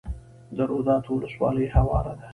د روداتو ولسوالۍ هواره ده